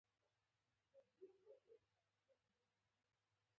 استازي پارلمان ته ولیږي.